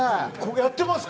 やってますか？